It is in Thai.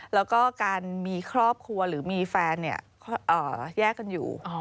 แล้วก็การมีครอบครัวหรือมีแฟนแยกกันอยู่